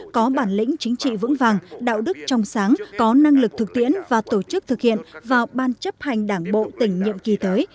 có bản lĩnh chính trị vững vàng đạo đức trong sáng có năng lực thực tiễn và tổ chức thực hiện vào ban chấp hành đảng bộ tỉnh nhiệm kỳ tới